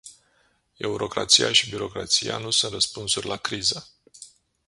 Eurocrația și birocrația nu sunt răspunsuri la criză.